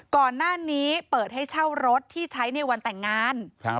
ก่อนหน้านี้เปิดให้เช่ารถที่ใช้ในวันแต่งงาน